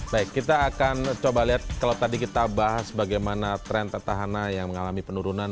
baik kita akan coba lihat kalau tadi kita bahas bagaimana tren petahana yang mengalami penurunan